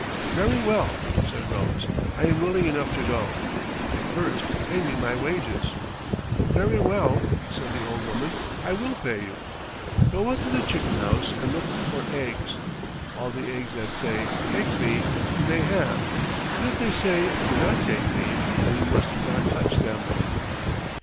"Very well," said Rose. "I am willing enough to go, but first pay me my wages." "Very well," said the old woman. "I will pay you. Go out to the chicken house and look for eggs. All the eggs that say, 'Take me', you may have, but if they say, 'Do not take me', then you must not touch them."